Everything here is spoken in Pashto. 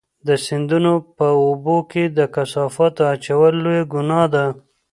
د سیندونو په اوبو کې د کثافاتو اچول لویه ګناه ده.